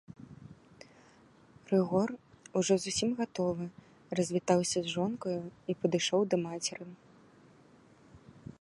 Рыгор, ужо зусім гатовы, развітаўся з жонкаю і падышоў да мацеры.